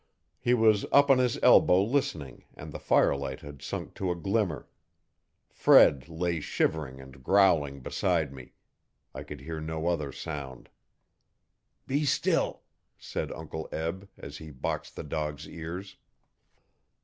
He was up on his elbow listening and the firelight had sunk to a glimmer. Fred lay shivering and growling beside me. I could hear no other sound. 'Be still,' said Uncle Eb, as he boxed the dog's ears.